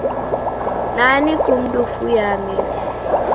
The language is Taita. Nani kumdufuyaa meso?